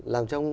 làm cho ông